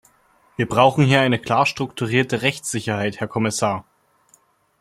Wir brauchen hier eine klar strukturierte Rechtssicherheit, Herr Kommissar!